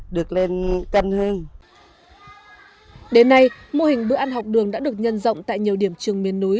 đến nay mô hình bữa ăn học đường đã được nhân rộng tại nhiều điểm trường miền núi